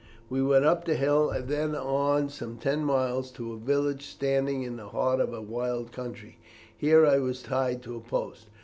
We went up the hill and then on some ten miles to a village standing in the heart of a wild country. Here I was tied to a post.